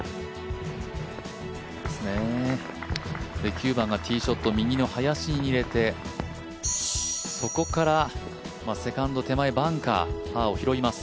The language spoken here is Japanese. ９番がティーショット右の林に入れてそこからセカンド手前、パーを拾います。